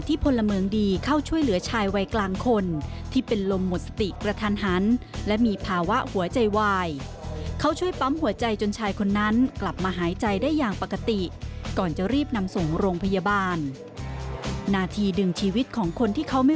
ติดตามกันได้จากรายงานนี้ค่ะ